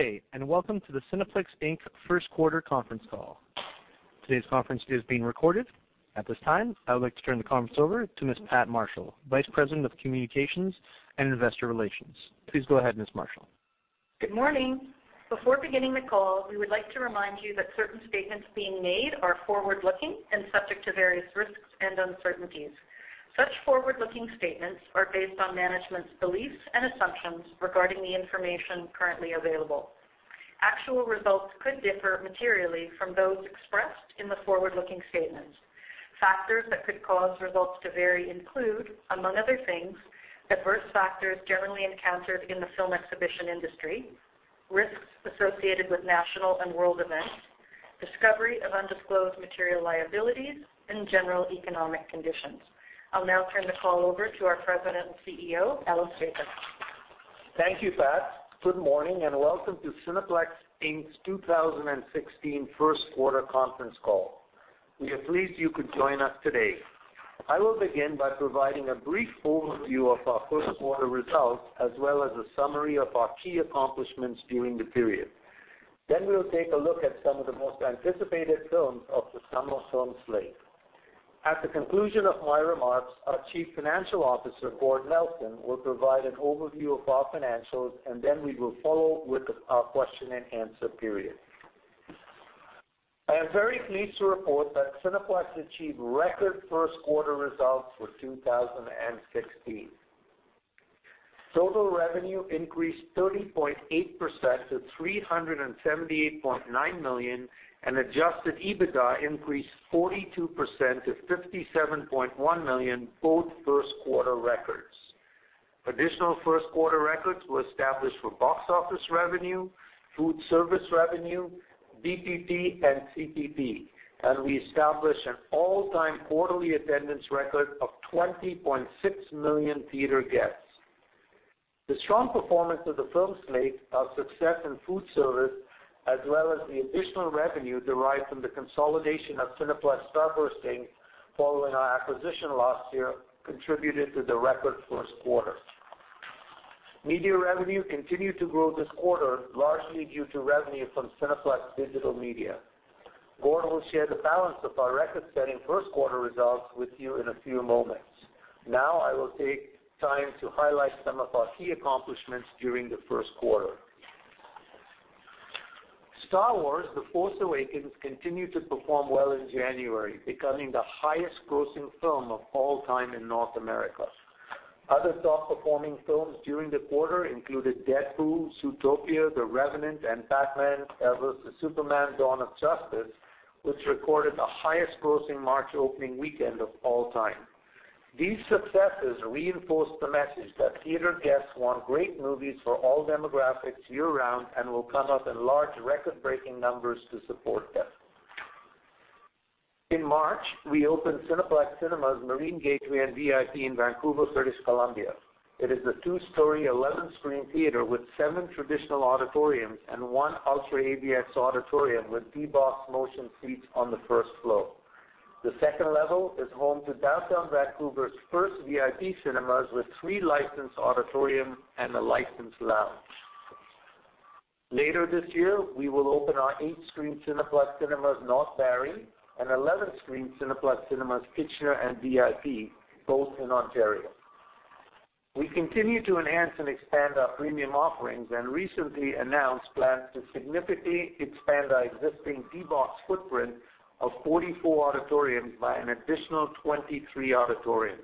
Good day, welcome to the Cineplex Inc. first quarter conference call. Today's conference is being recorded. At this time, I would like to turn the conference over to Ms. Pat Marshall, Vice President of Communications and Investor Relations. Please go ahead, Ms. Marshall. Good morning. Before beginning the call, we would like to remind you that certain statements being made are forward-looking and subject to various risks and uncertainties. Such forward-looking statements are based on management's beliefs and assumptions regarding the information currently available. Actual results could differ materially from those expressed in the forward-looking statements. Factors that could cause results to vary include, among other things, the adverse factors generally encountered in the film exhibition industry, risks associated with national and world events, discovery of undisclosed material liabilities, and general economic conditions. I'll now turn the call over to our President and CEO, Ellis Jacob. Thank you, Pat. Good morning, welcome to Cineplex Inc.'s 2016 first quarter conference call. We are pleased you could join us today. I will begin by providing a brief overview of our first quarter results, as well as a summary of our key accomplishments during the period. We'll take a look at some of the most anticipated films of the summer film slate. At the conclusion of my remarks, our Chief Financial Officer, Gord Nelson, will provide an overview of our financials, and we will follow with a question and answer period. I am very pleased to report that Cineplex achieved record first quarter results for 2016. Total revenue increased 30.8% to 378.9 million, Adjusted EBITDA increased 42% to 57.1 million, both first quarter records. Additional first-quarter records were established for box office revenue, food service revenue, BPP, and TPP, We established an all-time quarterly attendance record of 20.6 million theater guests. The strong performance of the film slate, our success in food service, as well as the additional revenue derived from the consolidation of Cineplex Starburst Inc., following our acquisition last year, contributed to the record first quarter. Media revenue continued to grow this quarter, largely due to revenue from Cineplex Digital Media. Gord will share the balance of our record-setting first quarter results with you in a few moments. I will take time to highlight some of our key accomplishments during the first quarter. Star Wars: The Force Awakens continued to perform well in January, becoming the highest-grossing film of all time in North America. Other top-performing films during the quarter included Deadpool, Zootopia, The Revenant, and Batman v Superman: Dawn of Justice, which recorded the highest-grossing March opening weekend of all time. These successes reinforce the message that theater guests want great movies for all demographics year-round and will come out in large, record-breaking numbers to support them. In March, we opened Cineplex Cinemas Marine Gateway and VIP in Vancouver, British Columbia. It is a two-story, 11-screen theater with seven traditional auditoriums and one UltraAVX auditorium with D-BOX motion seats on the first floor. The second level is home to downtown Vancouver's first VIP Cinemas with three licensed auditoriums and a licensed lounge. Later this year, we will open our eight-screen Cineplex Cinemas North Barrie and 11-screen Cineplex Cinemas Kitchener and VIP, both in Ontario. We continue to enhance and expand our premium offerings and recently announced plans to significantly expand our existing D-BOX footprint of 44 auditoriums by an additional 23 auditoriums.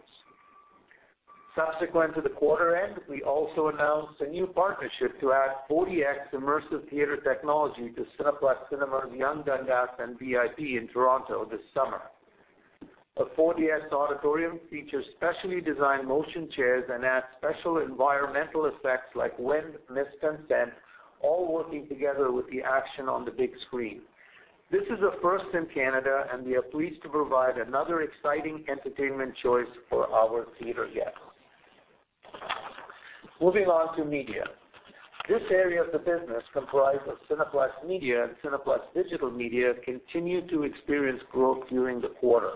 Subsequent to the quarter end, we also announced a new partnership to add 4DX immersive theater technology to Cineplex Cinemas Yonge-Dundas and VIP in Toronto this summer. A 4DX auditorium features specially designed motion chairs and adds special environmental effects like wind, mist, and scent, all working together with the action on the big screen. This is a first in Canada, and we are pleased to provide another exciting entertainment choice for our theater guests. Moving on to media. This area of the business, comprised of Cineplex Media and Cineplex Digital Media, continued to experience growth during the quarter.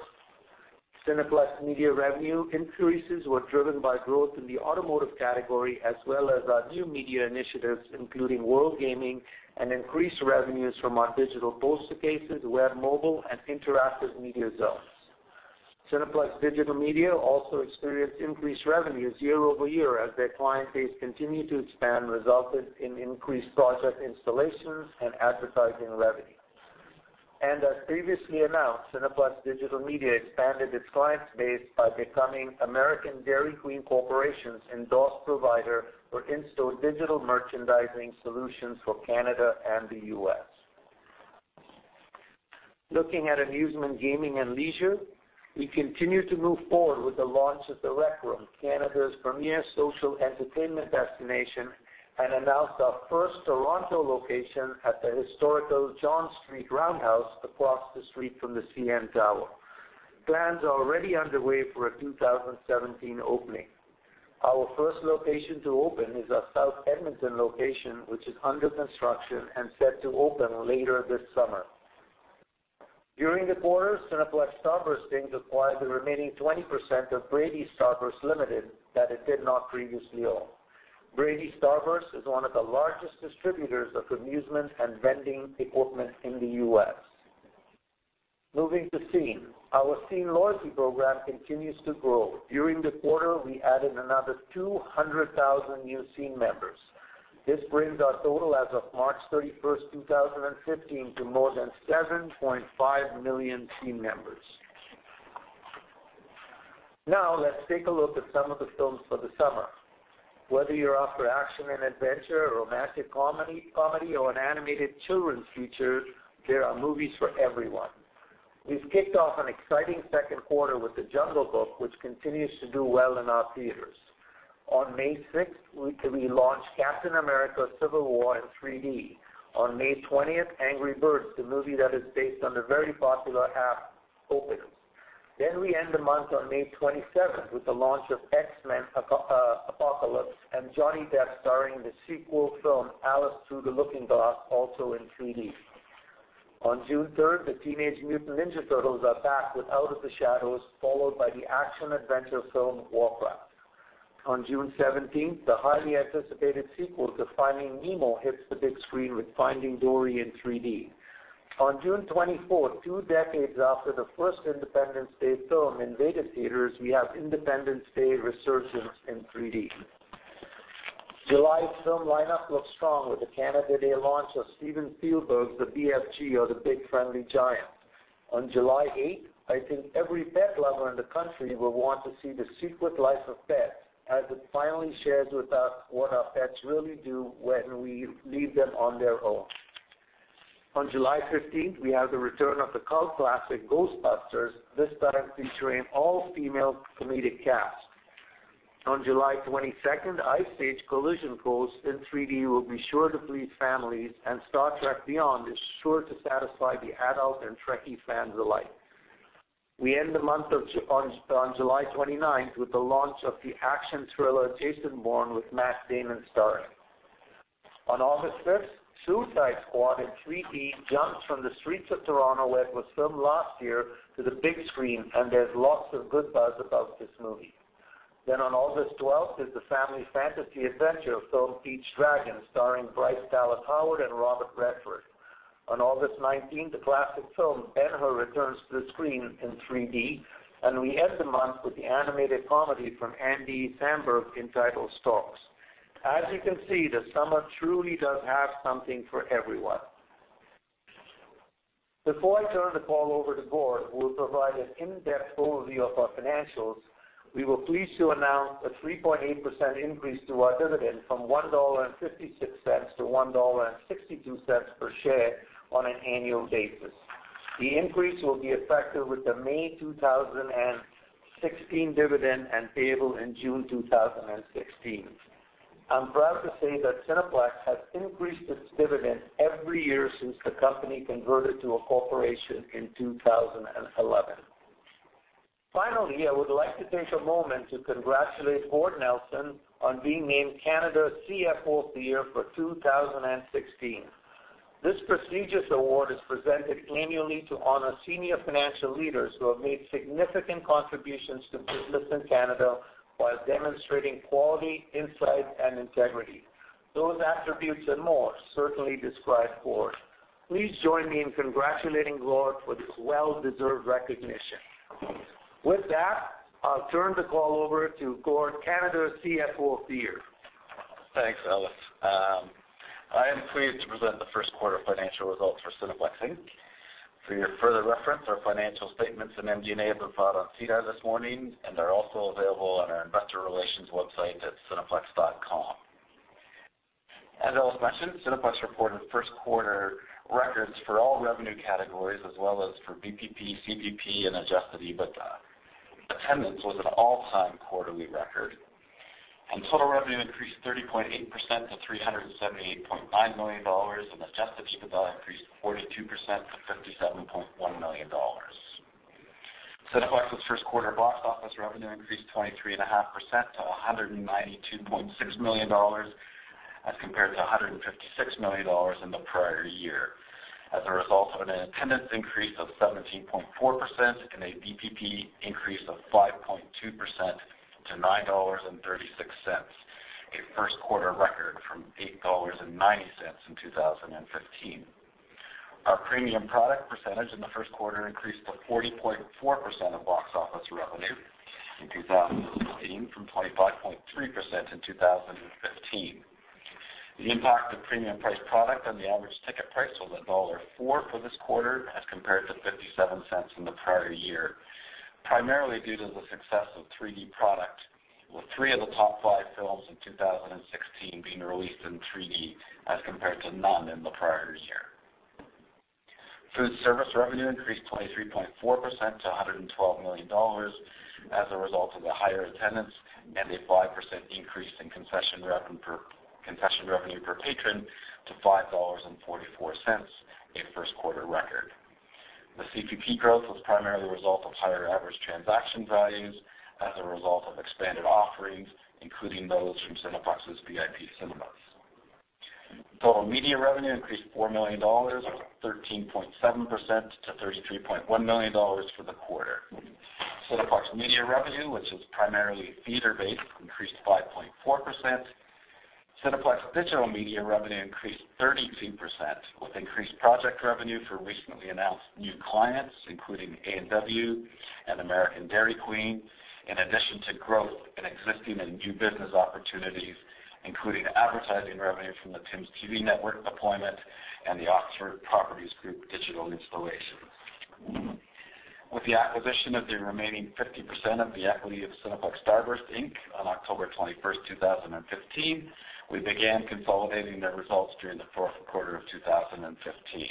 Cineplex Media revenue increases were driven by growth in the automotive category, as well as our new media initiatives, including WorldGaming and increased revenues from our digital poster cases, web mobile, and interactive media zones. Cineplex Digital Media also experienced increased revenues year-over-year as their client base continued to expand, resulting in increased project installations and advertising revenue. As previously announced, Cineplex Digital Media expanded its client base by becoming American Dairy Queen Corporation's endorsed provider for in-store digital merchandising solutions for Canada and the U.S. Looking at amusement, gaming, and leisure, we continue to move forward with the launch of The Rec Room, Canada's premier social entertainment destination, and announced our first Toronto location at the historical John Street Roundhouse across the street from the CN Tower. Plans are already underway for a 2017 opening. Our first location to open is our South Edmonton location, which is under construction and set to open later this summer. During the quarter, Cineplex Starburst Inc. acquired the remaining 20% of Brady Starburst LLC that it did not previously own. Brady Starburst is one of the largest distributors of amusement and vending equipment in the U.S. Moving to Scene. Our Scene loyalty program continues to grow. During the quarter, we added another 200,000 new Scene members. This brings our total as of March 31st, 2015, to more than 7.5 million Scene members. Now, let's take a look at some of the films for the summer. Whether you're up for action and adventure, a romantic comedy, or an animated children's feature, there are movies for everyone. We've kicked off an exciting second quarter with "The Jungle Book," which continues to do well in our theaters. On May 6th, we launch "Captain America: Civil War" in 3D. On May 20th, "The Angry Birds Movie" that is based on the very popular app, opens. We end the month on May 27th with the launch of "X-Men: Apocalypse" and Johnny Depp starring in the sequel film, "Alice Through the Looking Glass," also in 3D. On June 3rd, the Teenage Mutant Ninja Turtles are back with "Out of the Shadows," followed by the action-adventure film, "Warcraft." On June 17th, the highly anticipated sequel to "Finding Nemo" hits the big screen with "Finding Dory" in 3D. On June 24th, two decades after the first "Independence Day" film invaded theaters, we have "Independence Day: Resurgence" in 3D. July's film lineup looks strong with the Canada Day launch of Steven Spielberg's "The BFG" or the "Big Friendly Giant." On July 8th, I think every pet lover in the country will want to see "The Secret Life of Pets" as it finally shares with us what our pets really do when we leave them on their own. On July 15th, we have the return of the cult classic, "Ghostbusters," this time featuring an all-female comedic cast. On July 22nd, "Ice Age: Collision Course" in 3D will be sure to please families, and "Star Trek Beyond" is sure to satisfy the adult and Trekkie fans alike. We end the month on July 29th with the launch of the action thriller, "Jason Bourne," with Matt Damon starring. On August 5th, "Suicide Squad" in 3D jumps from the streets of Toronto, where it was filmed last year, to the big screen, and there's lots of good buzz about this movie. On August 12th is the family fantasy adventure film, "Pete's Dragon," starring Bryce Dallas Howard and Robert Redford. On August 19th, the classic film, "Ben-Hur," returns to the screen in 3D, and we end the month with the animated comedy from Andy Samberg entitled, "Storks." As you can see, the summer truly does have something for everyone. Before I turn the call over to Gord, who will provide an in-depth overview of our financials, we were pleased to announce a 3.8% increase to our dividend from 1.56 dollar to 1.62 dollar per share on an annual basis. The increase will be effective with the May 2016 dividend and payable in June 2016. I'm proud to say that Cineplex has increased its dividend every year since the company converted to a corporation in 2011. I would like to take a moment to congratulate Gord Nelson on being named Canada CFO of the Year for 2016. This prestigious award is presented annually to honor senior financial leaders who have made significant contributions to business in Canada while demonstrating quality, insight, and integrity. Those attributes and more certainly describe Gord. Please join me in congratulating Gord for this well-deserved recognition. With that, I'll turn the call over to Gord, Canada CFO of the Year. Thanks, Ellis. I am pleased to present the first quarter financial results for Cineplex Inc. For your further reference, our financial statements and MD&A have been filed on SEDAR this morning. They're also available on our investor relations website at cineplex.com. As Ellis mentioned, Cineplex reported first quarter records for all revenue categories as well as for VPP, CPP and adjusted EBITDA. Attendance was an all-time quarterly record. Total revenue increased 30.8% to 378.5 million dollars. Adjusted EBITDA increased 42% to 57.1 million dollars. Cineplex's first quarter box office revenue increased 23.5% to 192.6 million dollars as compared to 156 million dollars in the prior year as a result of an attendance increase of 17.4%. A VPP increase of 5.2% to 9.36 dollars, a first quarter record from 8.90 dollars in 2015. Our premium product percentage in the first quarter increased to 40.4% of box office revenue in 2016 from 25.3% in 2015. The impact of premium priced product on the average ticket price was dollar 1.04 for this quarter as compared to 0.57 in the prior year, primarily due to the success of 3D product, with three of the top five films in 2016 being released in 3D as compared to none in the prior year. Food service revenue increased 23.4% to 112 million dollars as a result of the higher attendance and a 5% increase in concession revenue per patron to 5.44 dollars, a first quarter record. The CPP growth was primarily a result of higher average transaction values as a result of expanded offerings, including those from Cineplex's VIP Cinemas. Total media revenue increased 4 million dollars or 13.7% to 33.1 million dollars for the quarter. Cineplex Media revenue, which is primarily theater-based, increased 5.4%. Cineplex Digital Media revenue increased 32%, with increased project revenue for recently announced new clients, including A&W and American Dairy Queen, in addition to growth in existing and new business opportunities, including advertising revenue from the Tims TV network deployment and the Oxford Properties Group digital installation. With the acquisition of the remaining 50% of the equity of Cineplex Starburst Inc. on October 21st, 2015, we began consolidating their results during the fourth quarter of 2015.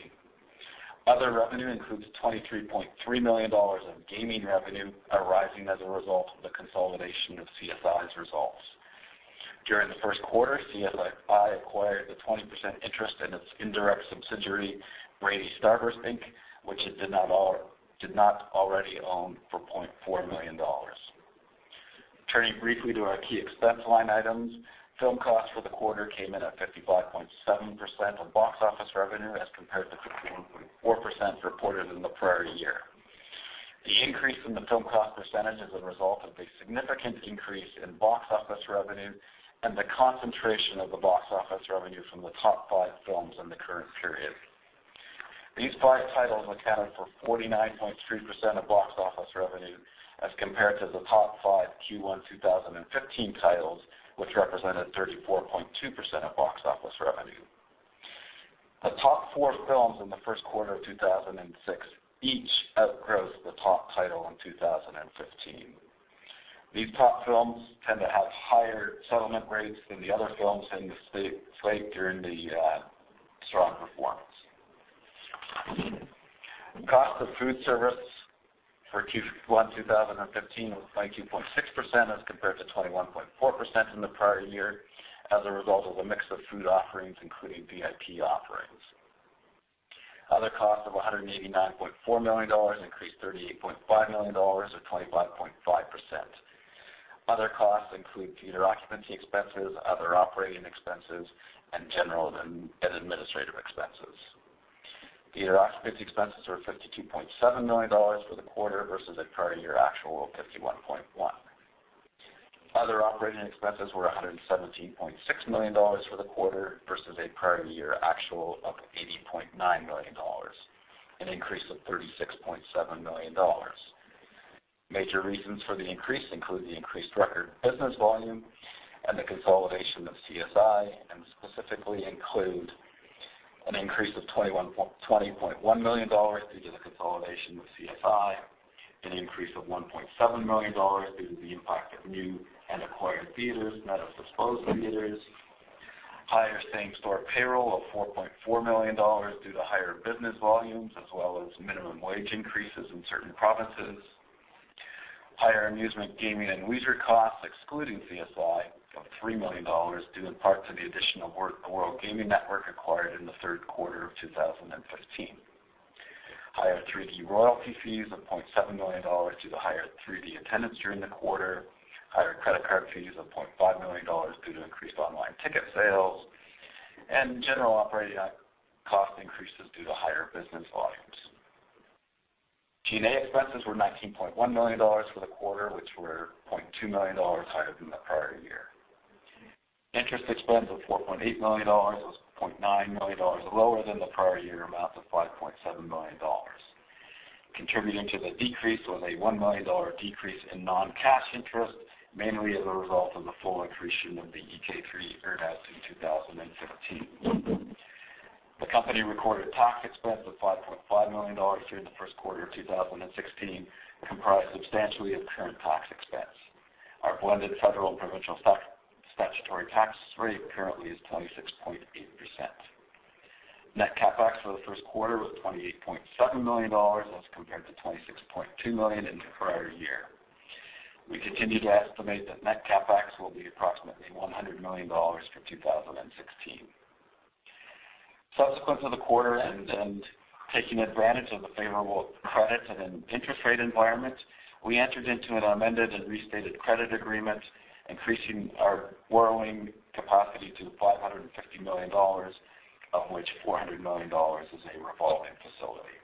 Other revenue includes 23.3 million dollars of gaming revenue arising as a result of the consolidation of CSI's results. During the first quarter, CSI acquired a 20% interest in its indirect subsidiary, Brady Starburst Inc., which it did not already own, for 4.4 million dollars. Turning briefly to our key expense line items. Film costs for the quarter came in at 55.7% of box office revenue as compared to 51.4% reported in the prior year. The increase in the film cost percentage is a result of the significant increase in box office revenue and the concentration of the box office revenue from the top five films in the current period. These five titles accounted for 49.3% of box office revenue as compared to the top five Q1 2015 titles, which represented 34.2% of box office revenue. The top four films in the first quarter of 2006 each outgrossed the top title in 2015. These top films tend to have higher settlement rates than the other films in this slate during the strong performance. Cost of food service for Q1 2015 was 19.6% as compared to 21.4% in the prior year as a result of a mix of food offerings, including VIP offerings. Other costs of 189.4 million dollars increased 38.5 million dollars, or 25.5%. Other costs include theater occupancy expenses, other operating expenses, and general and administrative expenses. Theater occupancy expenses were 52.7 million dollars for the quarter versus a prior year actual of 51.1 million dollars. Other operating expenses were 117.6 million dollars for the quarter versus a prior year actual of 80.9 million dollars, an increase of 36.7 million dollars. Specifically include an increase of 20.1 million dollars due to the consolidation with CSI, an increase of 1.7 million dollars due to the impact of new and acquired theaters, net of disposed theaters, higher same-store payroll of 4.4 million dollars due to higher business volumes as well as minimum wage increases in certain provinces. Higher amusement, gaming and leisure costs, excluding CSI, of 3 million dollars, due in part to the addition of WorldGaming Network acquired in the third quarter of 2015. Higher 3D royalty fees of 0.7 million dollars due to higher 3D attendance during the quarter. Higher credit card fees of 0.5 million dollars due to increased online ticket sales and general operating cost increases due to higher business volumes. G&A expenses were 19.1 million dollars for the quarter, which were 0.2 million dollars higher than the prior year. Interest expense of 4.8 million dollars was 0.9 million dollars lower than the prior year amount of 5.7 million dollars. Contributing to the decrease was a 1 million dollar decrease in non-cash interest, mainly as a result of the full accretion of the EK3 earn-out in 2015. The company recorded tax expense of 5.5 million dollars during the first quarter of 2016, comprised substantially of current tax expense. Our blended federal and provincial statutory tax rate currently is 26.8%. Net CapEx for the first quarter was 28.7 million dollars as compared to 26.2 million in the prior year. We continue to estimate that net CapEx will be approximately 100 million dollars for 2016. Subsequent to the quarter and taking advantage of the favorable credit and interest rate environment, we entered into an amended and restated credit agreement, increasing our borrowing capacity to 550 million dollars, of which 400 million dollars is a revolving facility.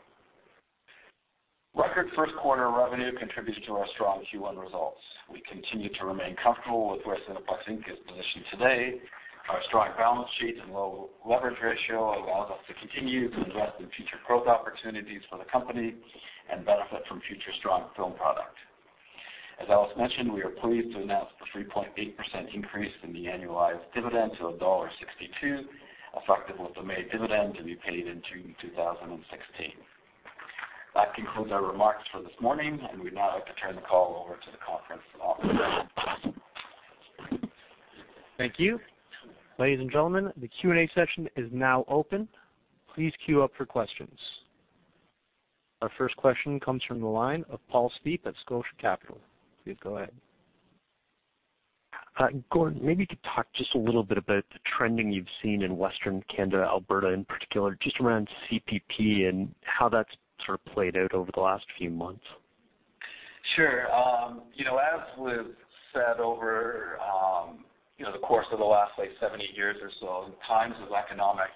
Record first quarter revenue contributes to our strong Q1 results. We continue to remain comfortable with where Cineplex Inc. is positioned today. Our strong balance sheet and low leverage ratio allows us to continue to invest in future growth opportunities for the company and benefit from future strong film product. As Ellis mentioned, we are pleased to announce the 3.8% increase in the annualized dividend to dollar 1.62, effective with the May dividend to be paid in June 2016. That concludes our remarks for this morning. We'd now like to turn the call over to the conference operator. Thank you. Ladies and gentlemen, the Q&A session is now open. Please queue up for questions. Our first question comes from the line of Paul Treiber at Scotia Capital. Please go ahead. Gord, maybe you could talk just a little bit about the trending you've seen in Western Canada, Alberta in particular, just around CPP and how that's sort of played out over the last few months. Sure. As was said over the course of the last seven, eight years or so, in times of economic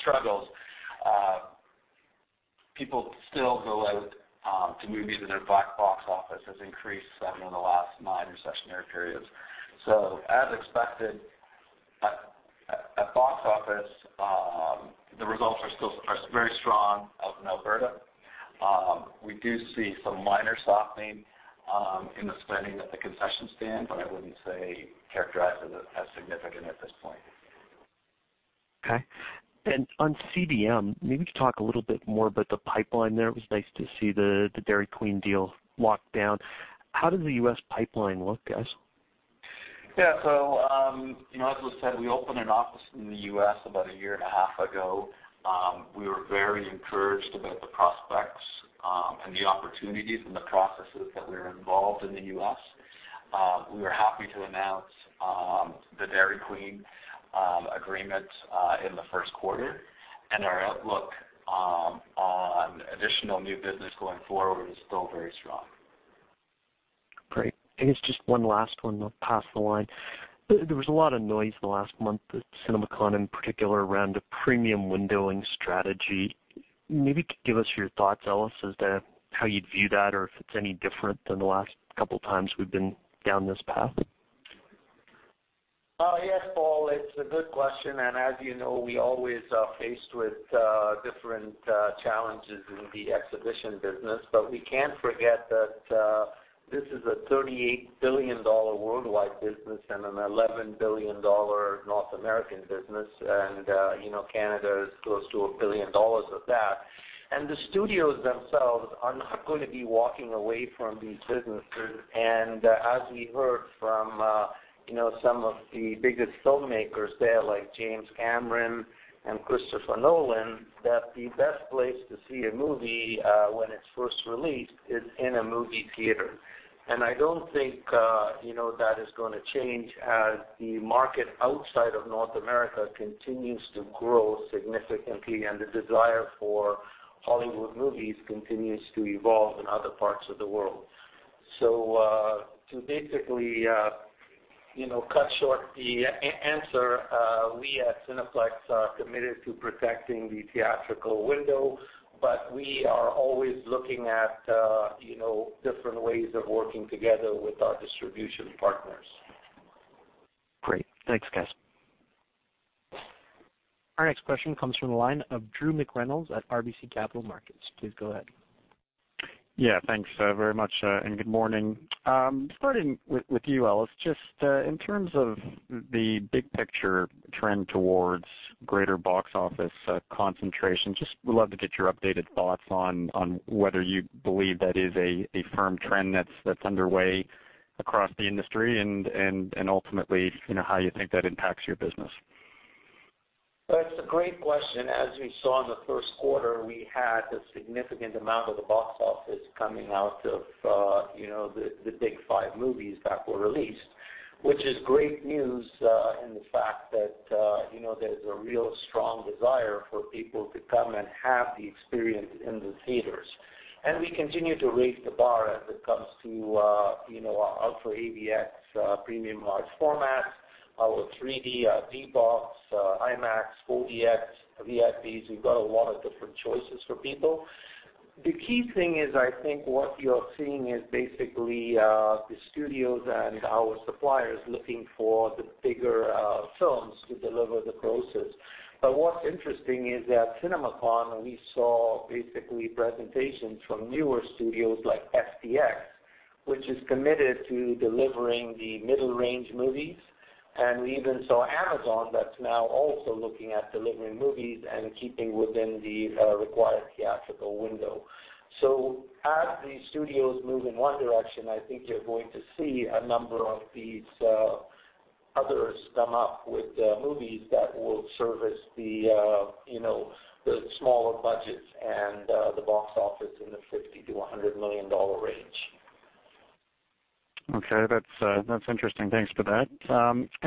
struggles, people still go out to movies, and their box office has increased seven of the last nine recessionary periods. As expected, at box office, the results are still very strong out in Alberta. We do see some minor softening in the spending at the concession stand, but I wouldn't say characterize it as significant at this point. Okay. On CDM, maybe talk a little bit more about the pipeline there. It was nice to see the Dairy Queen deal locked down. How does the U.S. pipeline look, guys? Yeah. As was said, we opened an office in the U.S. about a year and a half ago. We were very encouraged about the prospects and the opportunities and the processes that we're involved in the U.S. We were happy to announce the Dairy Queen agreement in the first quarter, our outlook on additional new business going forward is still very strong. Great. I guess just one last one, we'll pass the line. There was a lot of noise in the last month at CinemaCon, in particular, around a premium windowing strategy. Maybe give us your thoughts, Ellis, as to how you'd view that or if it's any different than the last couple of times we've been down this path. Yes, Paul, it's a good question. As you know, we always are faced with different challenges in the exhibition business. We can't forget that this is a 38 billion dollar worldwide business and a 11 billion dollar North American business. Canada is close to 1 billion dollars of that. The studios themselves are not going to be walking away from these businesses. As we heard from some of the biggest filmmakers there, like James Cameron and Christopher Nolan, that the best place to see a movie when it's first released is in a movie theater. I don't think that is going to change as the market outside of North America continues to grow significantly and the desire for Hollywood movies continues to evolve in other parts of the world. To basically cut short the answer, we at Cineplex are committed to protecting the theatrical window, we are always looking at different ways of working together with our distribution partners. Great. Thanks, guys. Our next question comes from the line of Drew McReynolds at RBC Capital Markets. Please go ahead. Yeah, thanks very much, and good morning. Starting with you, Ellis, just in terms of the big picture trend towards greater box office concentration, just would love to get your updated thoughts on whether you believe that is a firm trend that's underway across the industry and ultimately, how you think that impacts your business. That's a great question. As we saw in the first quarter, we had a significant amount of the box office coming out of the big five movies that were released, which is great news in the fact that there's a real strong desire for people to come and have the experience in the theaters. We continue to raise the bar as it comes to UltraAVX premium large format, our 3D D-BOX, IMAX, 4DX, VIPs. We've got a lot of different choices for people. The key thing is, I think what you're seeing is basically the studios and our suppliers looking for the bigger films to deliver the grosses. What's interesting is at CinemaCon, we saw basically presentations from newer studios like STX, which is committed to delivering the middle-range movies. We even saw Amazon that's now also looking at delivering movies and keeping within the required theatrical window. As the studios move in one direction, I think you're going to see a number of these others come up with movies that will service the smaller budgets and the box office in the 50 million to 100 million dollar range. Okay, that's interesting. Thanks for that.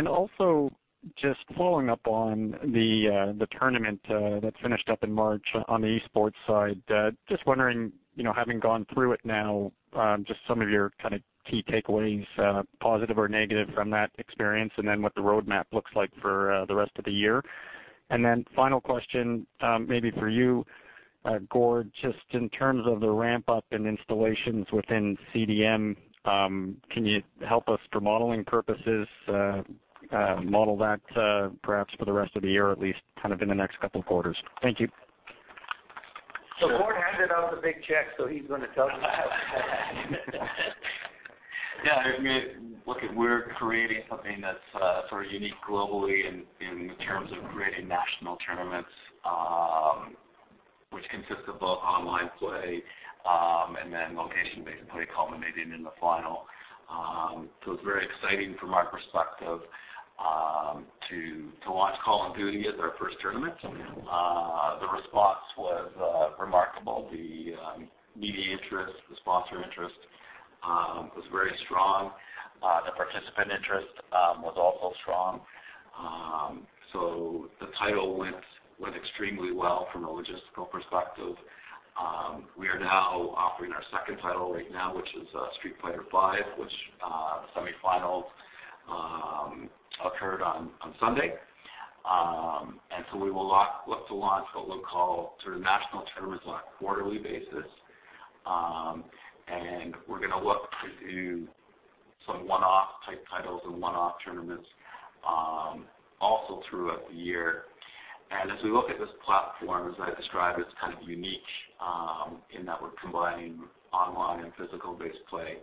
Also, just following up on the tournament that finished up in March on the esports side, just wondering, having gone through it now, just some of your key takeaways, positive or negative from that experience, and then what the roadmap looks like for the rest of the year. Final question, maybe for you, Gord, just in terms of the ramp-up in installations within CDM, can you help us for modeling purposes, model that perhaps for the rest of the year, at least in the next couple of quarters? Thank you. Gord handed out the big check, so he's going to tell you that. Look, we're creating something that's sort of unique globally in terms of creating national tournaments, which consists of both online play and then location-based play culminating in the final. It's very exciting from our perspective to launch Call of Duty as our first tournament. The response was remarkable. The media interest, the sponsor interest was very strong. The participant interest was also strong. The title went extremely well from a logistical perspective. We are now offering our second title right now, which is Street Fighter V, which semifinals occurred on Sunday. We will look to launch what we'll call national tournaments on a quarterly basis. We're going to look to do some one-off type titles and one-off tournaments also throughout the year. As we look at this platform, as I described, it is kind of unique in that we are combining online and physical-based play,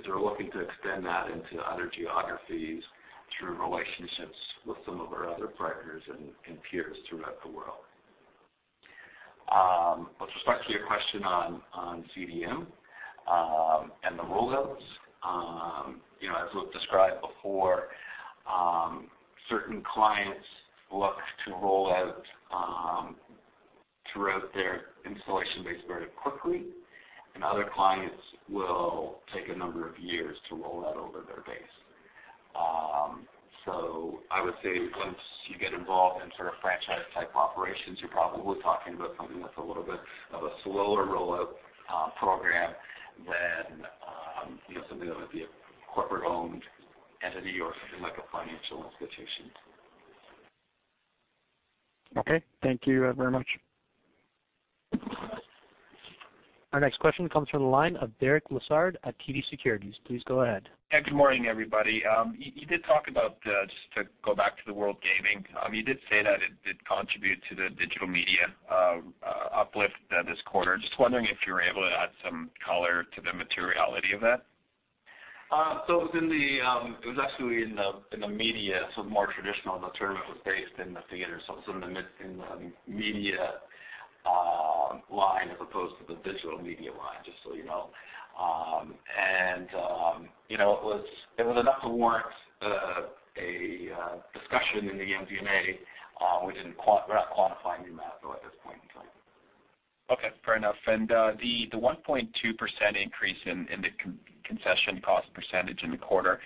is we are looking to extend that into other geographies through relationships with some of our other partners and peers throughout the world. With respect to your question on CDM and the rollouts, as we have described before, certain clients look to roll out throughout their installation base very quickly, and other clients will take a number of years to roll out over their base. I would say once you get involved in franchise type operations, you are probably talking about something that is a little bit of a slower rollout program than something that would be a corporate-owned entity or something like a financial institution. Okay. Thank you very much. Our next question comes from the line of Derek Lessard at TD Securities. Please go ahead. Good morning, everybody. Just to go back to the WorldGaming, you did say that it did contribute to the digital media uplift this quarter. Just wondering if you were able to add some color to the materiality of that. It was actually in the media, more traditional. The tournament was based in the theater, it's in the media line as opposed to the digital media line, just so you know. It was enough to warrant a discussion in the MD&A. We're not quantifying that though at this point in time. Okay. Fair enough. The 1.2% increase in the concession cost percentage in the quarter,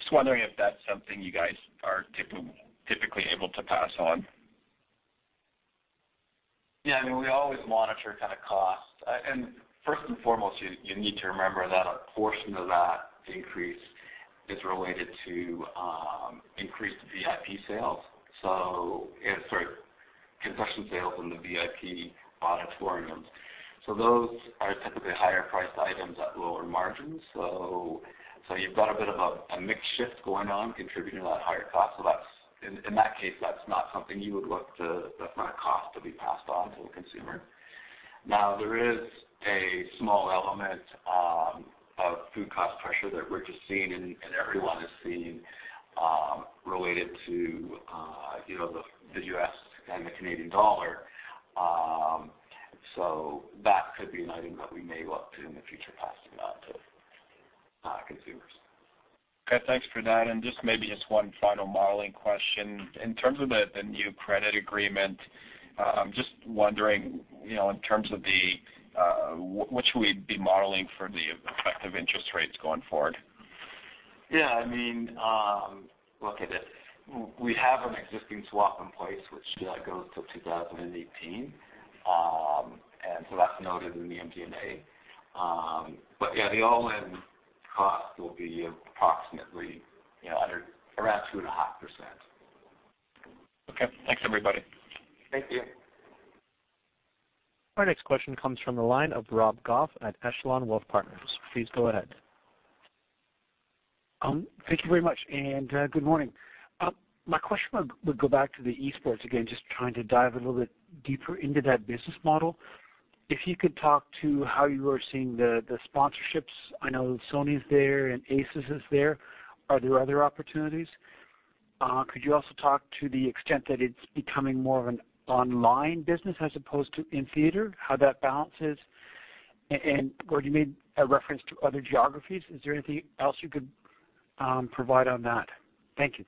just wondering if that's something you guys are typically able to pass on. Yeah, we always monitor cost. First and foremost, you need to remember that a portion of that increase is related to increased VIP sales. Sorry, concession sales in the VIP auditoriums. Those are typically higher priced items at lower margins. In that case, that's not a cost to be passed on to the consumer. Now, there is a small element of food cost pressure that we're just seeing, and everyone is seeing, related to the U.S. and the Canadian dollar. That could be an item that we may look to in the future passing that to consumers. Okay, thanks for that. Just maybe just one final modeling question. In terms of the new credit agreement, I'm just wondering in terms of what should we be modeling for the effective interest rates going forward? Look at it. We have an existing swap in place which goes till 2018. That's noted in the MD&A. The all-in cost will be approximately around 2.5%. Okay. Thanks, everybody. Thank you. Our next question comes from the line of Rob Goff at Echelon Wealth Partners. Please go ahead. Thank you very much, and good morning. My question would go back to the esports again, just trying to dive a little bit deeper into that business model. If you could talk to how you are seeing the sponsorships. I know Sony is there, and ASUS is there. Are there other opportunities? Could you also talk to the extent that it's becoming more of an online business as opposed to in theater, how that balance is? Gord, you made a reference to other geographies. Is there anything else you could provide on that? Thank you.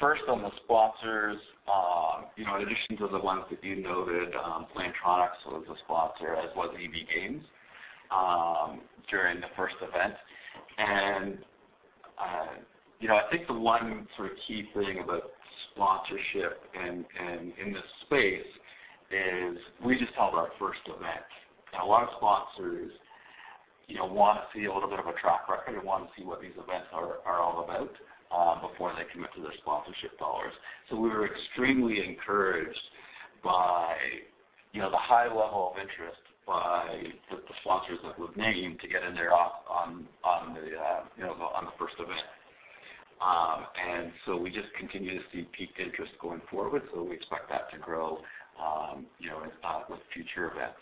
First on the sponsors, in addition to the ones that you noted, Plantronics was a sponsor, as was EB Games during the first event. I think the one sort of key thing about sponsorship in this space is we just held our first event. A lot of sponsors want to see a little bit of a track record and want to see what these events are all about before they commit to their sponsorship dollars. We were extremely encouraged by the high level of interest by the sponsors that we've named to get in there on the first event. We just continue to see peaked interest going forward. We expect that to grow with future events.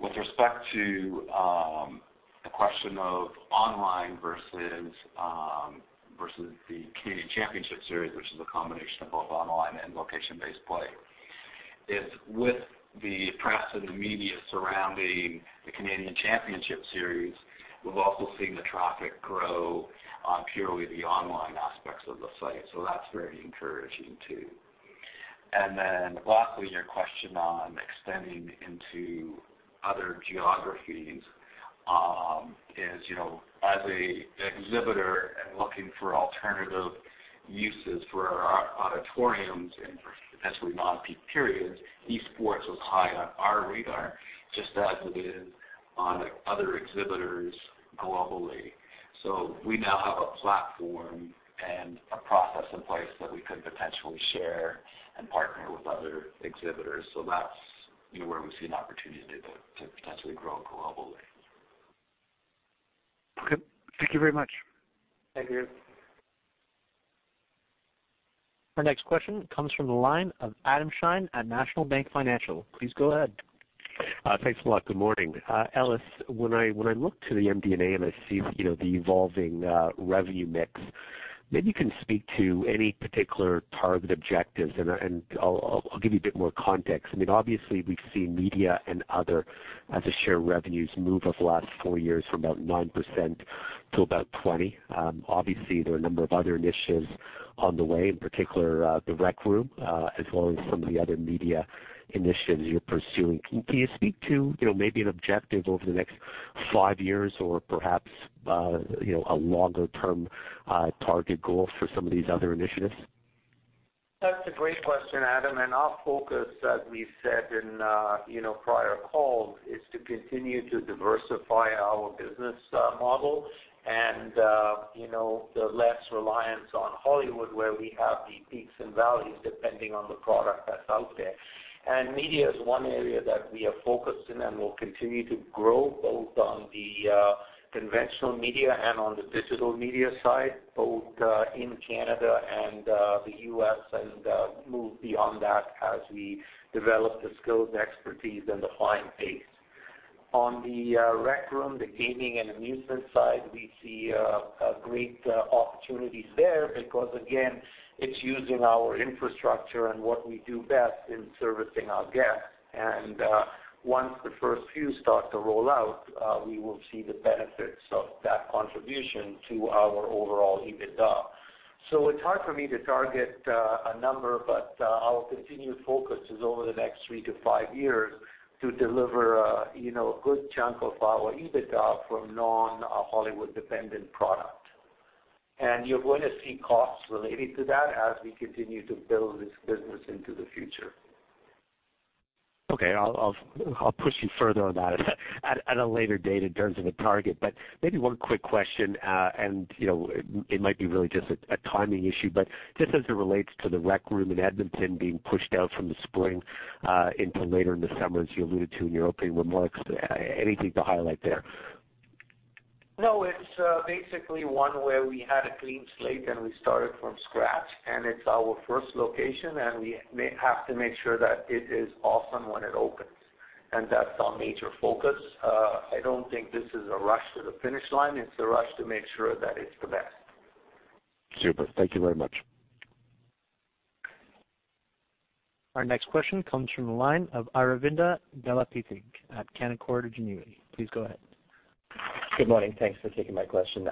With respect to the question of online versus the Canadian Championship Series, which is a combination of both online and location-based play, is with the press and the media surrounding the Canadian Championship Series, we've also seen the traffic grow on purely the online aspects of the site. That's very encouraging, too. Lastly, your question on extending into other geographies is, as an exhibitor and looking for alternative uses for our auditoriums and for potentially non-peak periods, esports was high on our radar just as it is on other exhibitors globally. We now have a platform and a process in place that we could potentially share and partner with other exhibitors. That's where we see an opportunity to potentially grow globally. Thank you very much. Thank you. Our next question comes from the line of Adam Shine at National Bank Financial. Please go ahead. Thanks a lot. Good morning. Ellis, when I look to the MD&A and I see the evolving revenue mix, I'll give you a bit more context. Obviously, we've seen media and other as a share of revenues move over the last four years from about 9% to about 20%. Obviously, there are a number of other initiatives on the way, in particular, The Rec Room, as well as some of the other media initiatives you're pursuing. Can you speak to maybe an objective over the next five years or perhaps a longer-term target goal for some of these other initiatives? That's a great question, Adam. Our focus, as we've said in prior calls, is to continue to diversify our business model and the less reliance on Hollywood where we have the peaks and valleys depending on the product that's out there. Media is one area that we are focused in and will continue to grow, both on the conventional media and on the digital media side, both in Canada and the U.S., and move beyond that as we develop the skills, expertise, and the client base. On The Rec Room, the gaming and amusement side, we see great opportunities there because again, it's using our infrastructure and what we do best in servicing our guests. Once the first few start to roll out, we will see the benefits of that contribution to our overall EBITDA. It's hard for me to target a number, but our continued focus is over the next 3 to 5 years to deliver a good chunk of our EBITDA from non-Hollywood-dependent product. You're going to see costs related to that as we continue to build this business into the future. Okay. I'll push you further on that at a later date in terms of a target, but maybe one quick question, and it might be really just a timing issue, but just as it relates to The Rec Room in Edmonton being pushed out from the spring into later in the summer, as you alluded to in your opening remarks. Anything to highlight there? No, it's basically one where we had a clean slate and we started from scratch, and it's our first location, and we have to make sure that it is awesome when it opens. That's our major focus. I don't think this is a rush to the finish line. It's a rush to make sure that it's the best. Super. Thank you very much. Our next question comes from the line of Aravinda Galappatthige at Canaccord Genuity. Please go ahead. Good morning. Thanks for taking my question.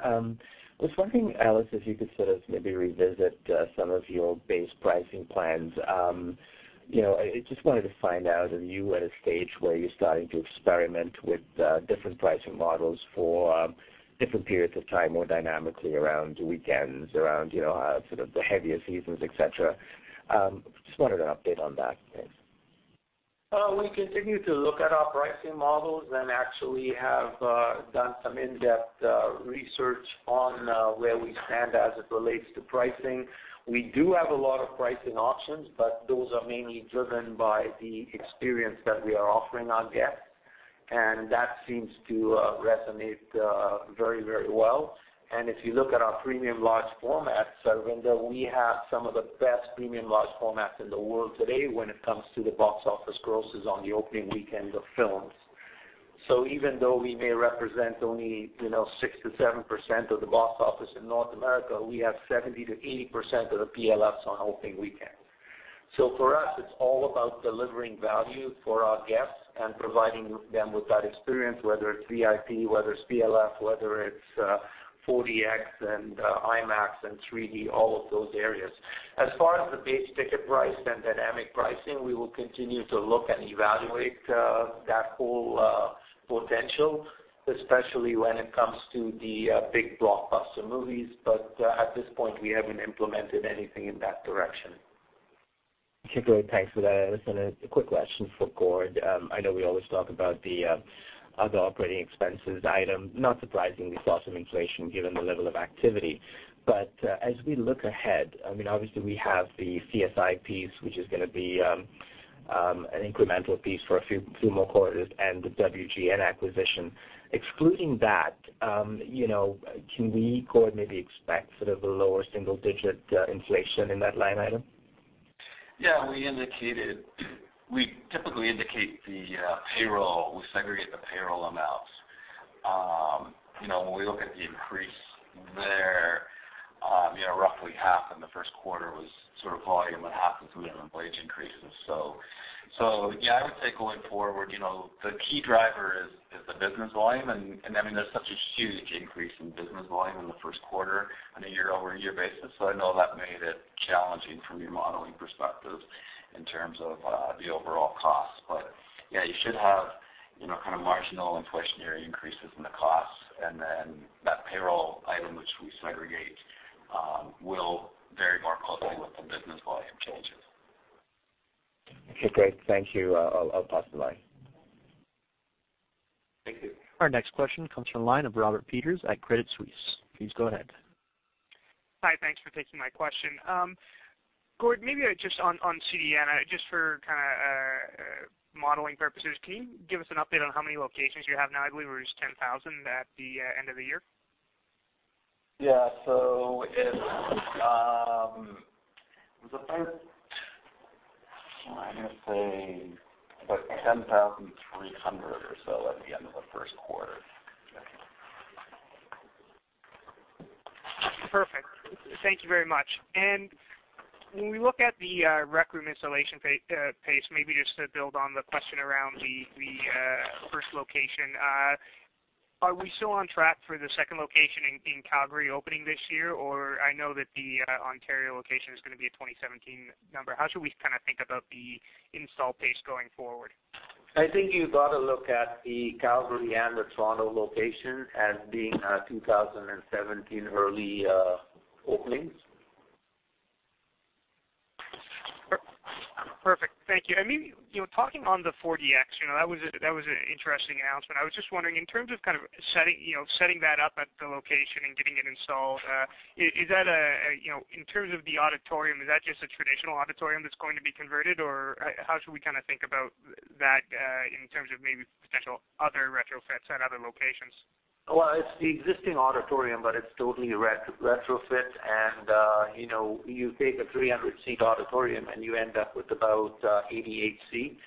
Just wondering, Ellis, if you could sort of maybe revisit some of your base pricing plans. I just wanted to find out if you were at a stage where you're starting to experiment with different pricing models for different periods of time, more dynamically around weekends, around sort of the heavier seasons, et cetera. Just wanted an update on that. Thanks. We continue to look at our pricing models and actually have done some in-depth research on where we stand as it relates to pricing. We do have a lot of pricing options, but those are mainly driven by the experience that we are offering our guests, and that seems to resonate very well. If you look at our premium large formats, Aravinda, we have some of the best premium large formats in the world today when it comes to the box office grosses on the opening weekend of films. Even though we may represent only 6%-7% of the box office in North America, we have 70%-80% of the PLFs on opening weekend. For us, it's all about delivering value for our guests and providing them with that experience, whether it's VIP, whether it's PLF, whether it's 4DX and IMAX and 3D, all of those areas. As far as the base ticket price and dynamic pricing, we will continue to look and evaluate that whole potential, especially when it comes to the big blockbuster movies. At this point, we haven't implemented anything in that direction. Okay, great. Thanks for that, Ellis. A quick question for Gord. I know we always talk about the other operating expenses item. Not surprisingly, we saw some inflation given the level of activity. As we look ahead, obviously we have the CSI piece, which is going to be an incremental piece for a few more quarters and the WGN acquisition. Excluding that, can we, Gord, maybe expect sort of a lower single-digit inflation in that line item? Yeah, we typically indicate the payroll. We segregate the payroll amounts. When we look at the increase there, roughly half in the first quarter was sort of volume and half was minimum wage increase. Yeah, I would say going forward, the key driver is the business volume. There's such a huge increase in business volume in the first quarter on a year-over-year basis. I know that made it challenging from your modeling perspective in terms of the overall cost. Yeah, you should have marginal inflationary increases in the costs. Then that payroll item, which we segregate, will vary more closely with the business volume changes. Okay, great. Thank you. I'll pass the line. Thank you. Our next question comes from the line of Robert Peters at Credit Suisse. Please go ahead. Hi. Thanks for taking my question. Gord, maybe just on CDM, just for modeling purposes, can you give us an update on how many locations you have now? I believe it was 10,000 at the end of the year. Yeah. I'm going to say about 10,300 or so at the end of the first quarter. Perfect. Thank you very much. When we look at The Rec Room installation pace, maybe just to build on the question around the first location, are we still on track for the second location in Calgary opening this year? I know that the Ontario location is going to be a 2017 number. How should we think about the install pace going forward? I think you've got to look at the Calgary and the Toronto location as being 2017 early openings. Perfect. Thank you. Maybe, talking on the 4DX, that was an interesting announcement. I was just wondering, in terms of setting that up at the location and getting it installed, in terms of the auditorium, is that just a traditional auditorium that's going to be converted? How should we think about that in terms of maybe potential other retrofits at other locations? Well, it's the existing auditorium, but it's totally a retrofit. You take a 300-seat auditorium and you end up with about 88 seats.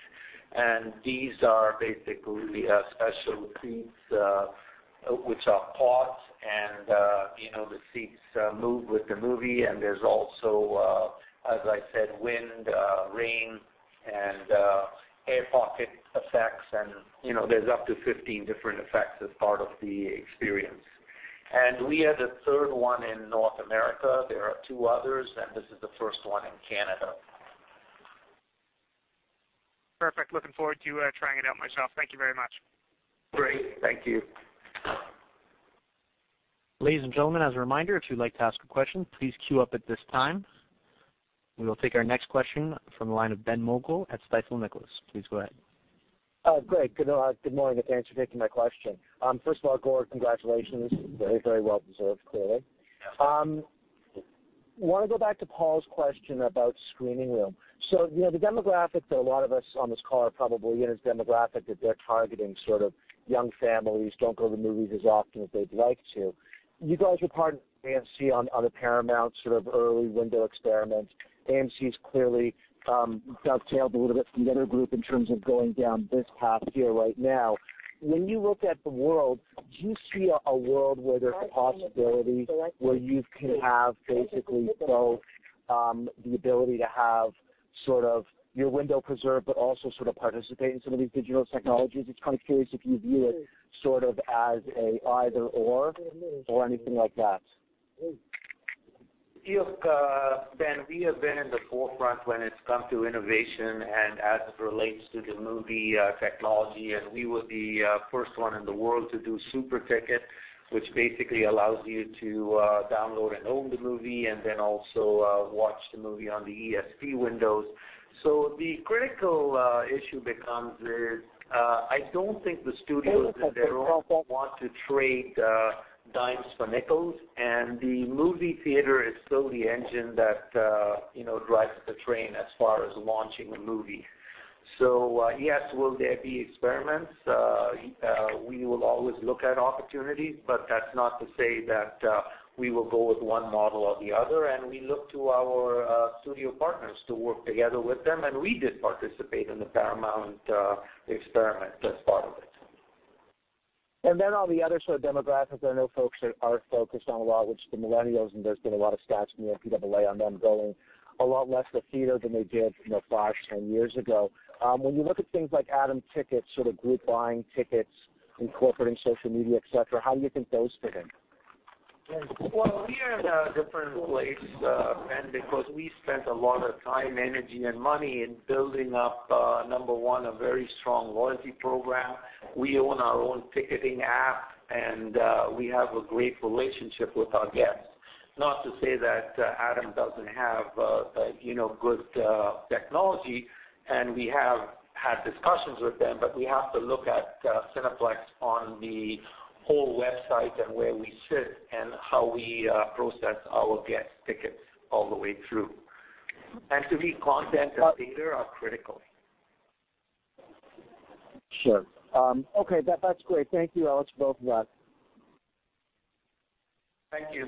These are basically special seats, which are pods, and the seats move with the movie. There's also, as I said, wind, rain, and air pocket effects, and there's up to 15 different effects as part of the experience. We are the third one in North America. There are two others, and this is the first one in Canada. Perfect. Looking forward to trying it out myself. Thank you very much. Great. Thank you. Ladies and gentlemen, as a reminder, if you'd like to ask a question, please queue up at this time. We will take our next question from the line of Ben Mogul at Stifel Nicolaus. Please go ahead. Great. Good morning, thanks for taking my question. First of all, Gord, congratulations. Very well-deserved, clearly. I want to go back to Paul's question about Screening Room. The demographic that a lot of us on this call are probably in is demographic that they're targeting, sort of young families, don't go to the movies as often as they'd like to. You guys were part of AMC on a Paramount sort of early window experiment. AMC's clearly dovetailed a little bit from the other group in terms of going down this path here right now. When you look at the world, do you see a world where there's a possibility where you can have basically both the ability to have sort of your window preserved, but also sort of participate in some of these digital technologies? Just kind of curious if you view it sort of as an either/or or anything like that. Look, Ben, we have been in the forefront when it has come to innovation as it relates to the movie technology. We were the first one in the world to do Super Ticket, which basically allows you to download and own the movie. Then also watch the movie on the EST windows. The critical issue becomes is I don't think the studios in their own want to trade dimes for nickels. The movie theater is still the engine that drives the train as far as launching a movie. Yes, will there be experiments? We will always look at opportunities, that's not to say that we will go with one model or the other. We look to our studio partners to work together with them. We did participate in the Paramount experiment as part of it. Then all the other sort of demographics. I know folks are focused on a lot, which the millennials. There has been a lot of stats from the MPAA on them going a lot less to theater than they did five, 10 years ago. When you look at things like Atom Tickets, sort of group buying tickets, incorporating social media, et cetera, how do you think those fit in? Well, we are in a different place, Ben, because we spent a lot of time, energy, and money in building up, number one, a very strong loyalty program. We own our own ticketing app. We have a great relationship with our guests. Not to say that Atom doesn't have good technology. We have had discussions with them, we have to look at Cineplex on the whole website and where we sit and how we process our guest tickets all the way through. To me, content and theater are critical. Sure. Okay. That's great. Thank you. I'll let you both go. Thank you.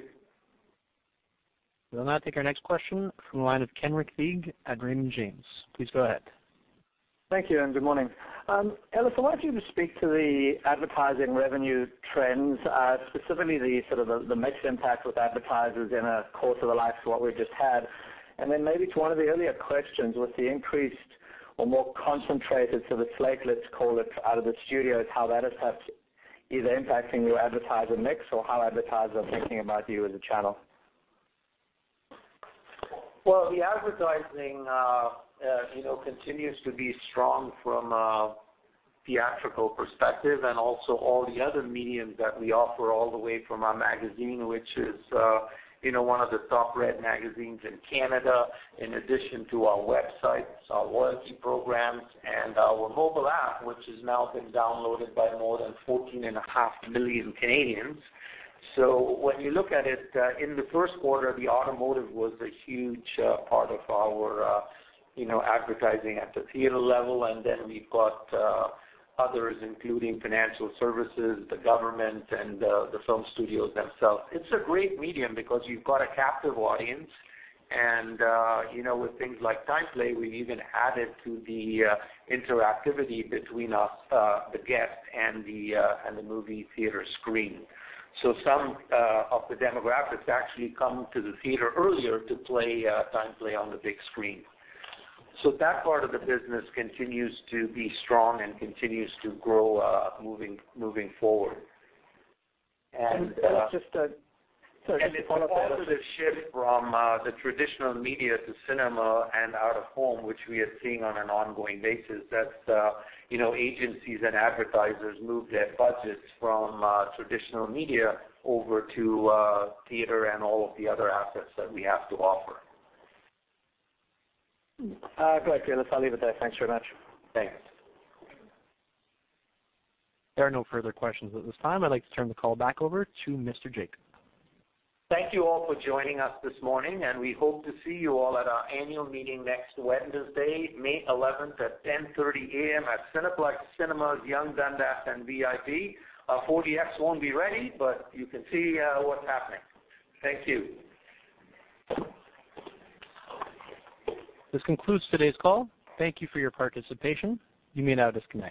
We'll now take our next question from the line of Ken Rickelman at Raymond James. Please go ahead. Thank you. Good morning. Ellis, I want you to speak to the advertising revenue trends, specifically the mixed impact with advertisers in a course of the likes of what we just had. Then maybe to one of the earlier questions, with the increased or more concentrated to the slate, let's call it, out of the studios, how that has had either impacting your advertiser mix or how advertisers are thinking about you as a channel. The advertising continues to be strong from a theatrical perspective and also all the other mediums that we offer all the way from our magazine, which is one of the top-read magazines in Canada, in addition to our websites, our loyalty programs, and our mobile app, which has now been downloaded by more than 14.5 million Canadians. When you look at it, in the first quarter, the automotive was a huge part of our advertising at the theater level. Then we've got others, including financial services, the government, and the film studios themselves. It's a great medium because you've got a captive audience, and with things like TimePlay, we even added to the interactivity between the guest and the movie theater screen. Some of the demographics actually come to the theater earlier to play TimePlay on the big screen. That part of the business continues to be strong and continues to grow moving forward. Just Sorry, just to follow up there. It's also the shift from the traditional media to cinema and out-of-home, which we are seeing on an ongoing basis. That's agencies and advertisers move their budgets from traditional media over to theater and all of the other assets that we have to offer. Got you. I'll leave it there. Thanks very much. Thanks. There are no further questions at this time. I'd like to turn the call back over to Mr. Jacob. Thank you all for joining us this morning, and we hope to see you all at our annual meeting next Wednesday, May 11th at 10:30 A.M. at Cineplex Cinemas, Yonge-Dundas and VIP. Our 4DX won't be ready, but you can see what's happening. Thank you. This concludes today's call. Thank you for your participation. You may now disconnect.